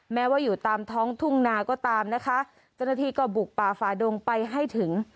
แม้ว่าอยู่ตามท้องทุ่งนาก็ตามนะคะเจ้าหน้าที่ก็บุกป่าฝาดงไปให้ถึง